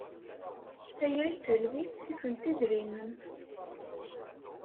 Tayri d talwit ifent idrimen.